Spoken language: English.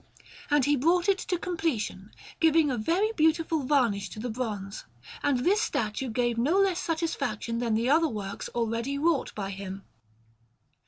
And he brought it to completion, giving a very beautiful varnish to the bronze; and this statue gave no less satisfaction than the other works already wrought by him.